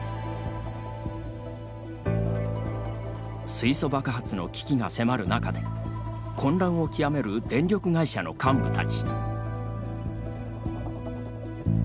水素爆発の危機が迫る中で混乱を極める電力会社の幹部たち。